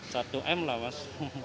satu m lah mas